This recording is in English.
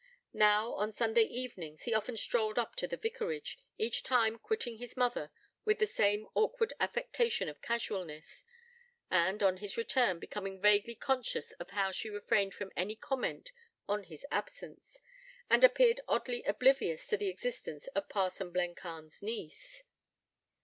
Now, on Sunday evenings, he often strolled up to the vicarage, each time quitting his mother with the same awkward affectation of casualness; and, on his return, becoming vaguely conscious of how she refrained from any comment on his absence, and appeared oddly oblivious of the existence of parson Blencarn's niece.